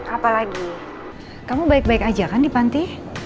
apalagi kamu baik baik aja kan di panti kamu baik baik aja kan di panti